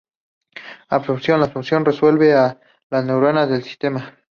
Absorción: La absorción remueve a los neutrones del sistema.